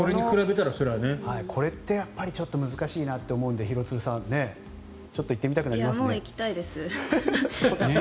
これってやっぱりちょっと難しいなと思うので廣津留さんちょっと行ってみたくなりますよね。